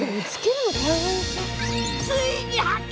ついに発見！